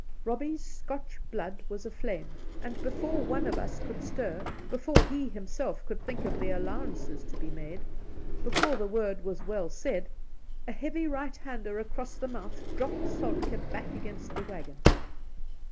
Robbie's Scotch blood was aflame, afid before one of us could stir, before he himself could think of the allowances to be made, before the word was well said, a heavy right hander across the mouth dropped Soltkd back against the waggon.